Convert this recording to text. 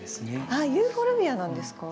あっユーフォルビアなんですか？